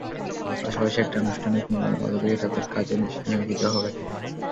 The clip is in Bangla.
পাশাপাশি একটা আনুষ্ঠানিক নিয়মের মধ্য দিয়ে তাঁদের কাজে নিয়োগ দিতে হবে।